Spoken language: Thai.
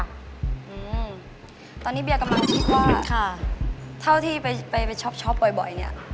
อืมตอนนี้เบียกำลังคิดว่าถ้าที่ไปช็อปบ่อยเนี่ย